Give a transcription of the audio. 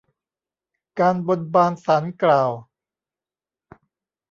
การบนบานศาลกล่าว